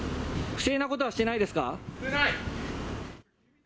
不正なことはしていないですしてない！